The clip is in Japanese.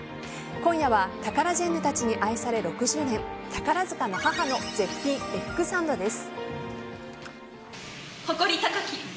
今夜はタカラジェンヌたちに愛され６０年宝塚の母の絶品エッグサンドです。